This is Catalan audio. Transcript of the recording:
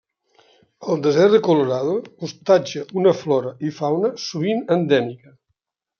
El desert de Colorado hostatja una flora i fauna sovint endèmica.